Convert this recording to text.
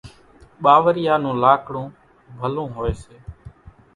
ٻاوريئا نون لاڪڙون ڀلون هوئيَ سي۔